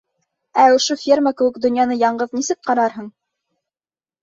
Ә ошо ферма кеүек донъяны яңғыҙ нисек ҡарарһың?